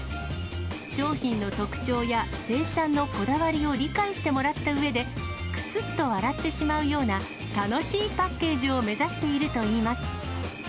商品の特徴や生産のこだわりを理解してもらったうえで、くすっと笑ってしまうような楽しいパッケージを目指しているといいます。